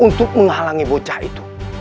untuk menghalangi bocah itu